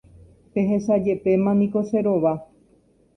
Pehechajepéma niko che rova.